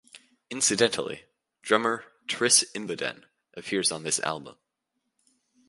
Incidentally, drummer Tris Imboden appears on this album.